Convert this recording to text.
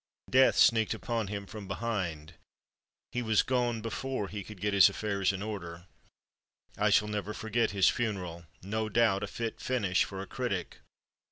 Death sneaked upon him from behind; he was gone before he could get his affairs in order. I shall never forget his funeral—no doubt a fit finish for a critic.